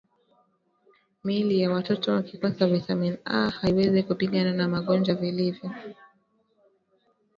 Miili ya watoto ikikosa viatamini A haiwezi kupigana na magonjwa vilivyo